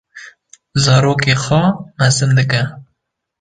zarokên xwe mezin dike.